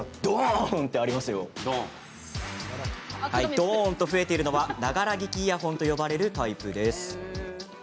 ドーン！と増えているのは「ながら聴きイヤホン」と呼ばれるタイプです。